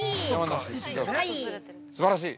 すばらしい。